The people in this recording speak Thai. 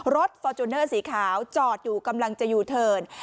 ฟอร์จูเนอร์สีขาวจอดอยู่กำลังจะยูเทิร์น